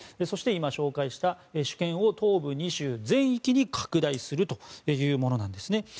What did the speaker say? そして今、紹介した主権を東部２州全域に拡大するものです。